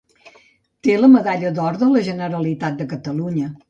Té la Medalla d'Or de la Generalitat de Catalunya.